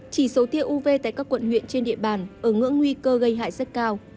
chỉ số tiêu uv tại các quận huyện trên địa bàn ở ngưỡng nguy cơ gây hại rất cao